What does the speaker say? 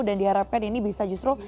dan diharapkan ini bisa justru